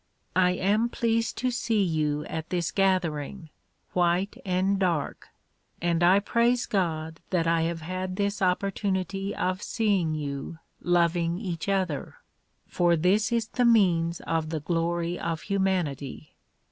I am pleased to see you at this gathering, white and dark, and I praise God that I have had this opportunity of seeing you loving each other, for this is the means of the glory of humanity.